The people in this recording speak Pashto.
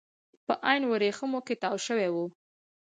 په عین ورېښمو کې تاو شوي وو.